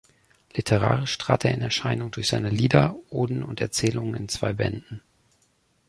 Literarisch trat er in Erscheinung durch seine Lieder, Oden und Erzählungen in zwei Bänden.